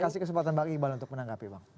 saya kasih kesempatan bang iba untuk menanggapi bang